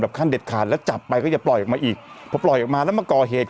ขั้นเด็ดขาดแล้วจับไปก็อย่าปล่อยออกมาอีกพอปล่อยออกมาแล้วมาก่อเหตุ